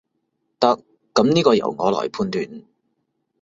得，噉呢個由我來判斷